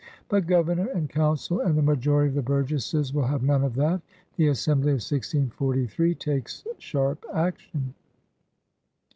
But Governor and Council and the majority of the Burgesses will have none of that. The Assembly of 1643 takes sharp action.